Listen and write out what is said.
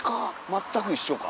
全く一緒か？